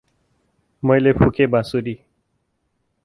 मैले फुकें बाँसुरी ।